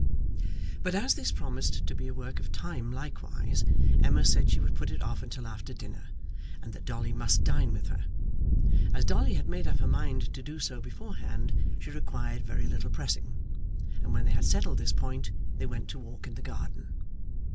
But as this promised to be a work of time likewise, Emma said she would put it off until after dinner, and that Dolly must dine with her. As Dolly had made up her mind to do so beforehand, she required very little pressing; and when they had settled this point, they went to walk in the garden.